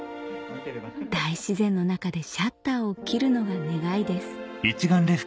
大自然の中でシャッターを切るのが願いです